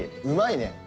うまいね！